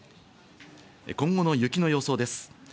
今後の雪の予想です。